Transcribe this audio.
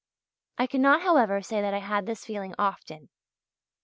I cannot, however, say that I had this feeling often.